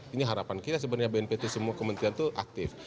ini harapan kita sebenarnya bnpt semua kementerian itu aktif